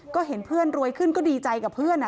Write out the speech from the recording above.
ก็เห็นเพื่อนรวยขึ้นก็ดีใจกับเพื่อน